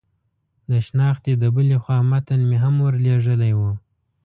د شنختې د بلې خوا متن مې هم ور لېږلی و.